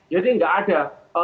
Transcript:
jadi tidak ada